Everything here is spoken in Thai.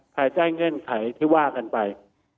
ภายใต้เงื่อนไขที่ว่ากันไป